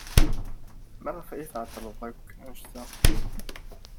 Maɣef ay tɛeḍḍled akk anect-a?